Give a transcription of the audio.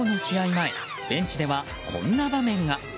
前ベンチではこんな場面が。